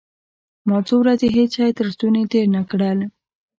ما څو ورځې هېڅ شى تر ستوني تېر نه کړل.